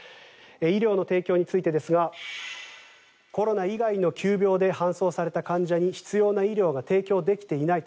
医療の提供についてですがコロナ以外の急病で搬送された患者に必要な医療が提供できていない。